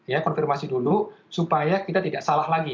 ya konfirmasi dulu supaya kita tidak salah lagi